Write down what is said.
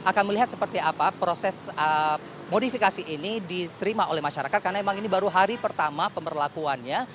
akan melihat seperti apa proses modifikasi ini diterima oleh masyarakat karena memang ini baru hari pertama pemberlakuannya